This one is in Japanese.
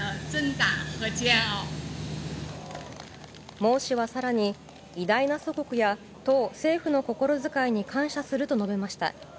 モウ氏は更に偉大な祖国や党・政府の心遣いに感謝すると述べました。